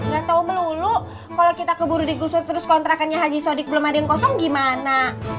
gak tau melulu kalau kita keburu digusur terus kontrakannya haji sodik belum ada yang kosong gimana